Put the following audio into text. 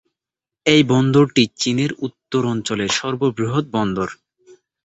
এই বন্দরটি চীনের উত্তর অঞ্চলের সর্ববৃহৎ বন্দর।